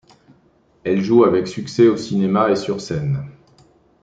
Elle joue avec succès au cinéma et sur scène.